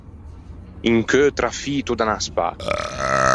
Un cheu trafito da unna spâ.